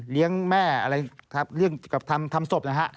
แม่อะไรครับเรื่องกับทำศพนะฮะ